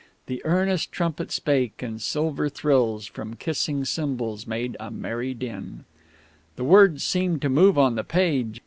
"The earnest trumpet spake, and silver thrills From kissing cymbals made a merry din " The words seemed to move on the page.